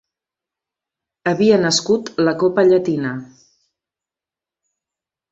Havia nascut la copa Llatina.